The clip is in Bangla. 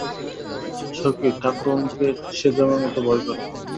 সখী ঠাকরুনকে সে যমের মতো ভয় করে।